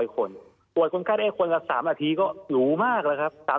คนป่วยคนไข้ได้คนละ๓นาทีก็หรูมากแล้วครับ